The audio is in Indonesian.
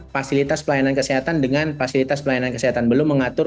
fasilitas pelayanan kesehatan dengan fasilitas pelayanan kesehatan belum mengatur